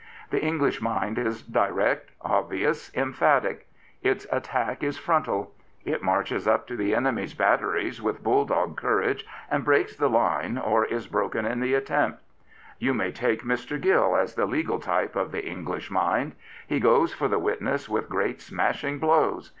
The English mind is direct, obvious, emphatic. Its attack is frontal. It marches up to the enemies' batteries with bull dog courage and breaks the line or is broken in the attempt. You may take Mr. Gill as the legal type of the English mind. He goes for the witness with great, smashing blows.